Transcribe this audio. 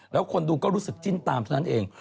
แล้วคนดูก็รู้สึกจิ้นตามเท่านั้นเอง